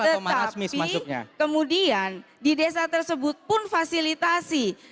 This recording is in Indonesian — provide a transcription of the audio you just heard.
tetapi kemudian di desa tersebut pun fasilitasi